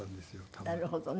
なるほどね。